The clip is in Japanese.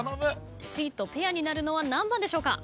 Ｃとペアになるのは何番でしょうか？